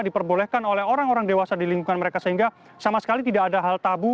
diperbolehkan oleh orang orang dewasa di lingkungan mereka sehingga sama sekali tidak ada hal tabu